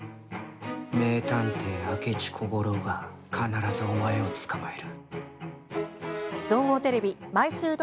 名探偵、明智小五郎が必ずお前を捕まえる。